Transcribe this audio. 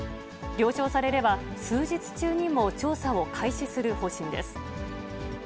了承されれば、数日中にも調査を開始する方針です。